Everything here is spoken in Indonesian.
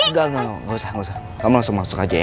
nggak nggak nggak usah kamu langsung masuk aja ya